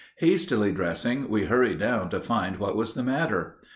Hastily dressing, we hurried down to find what was the matter.